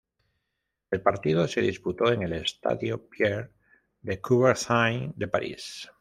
El partido se disputó en el Estadio Pierre de Coubertin de París.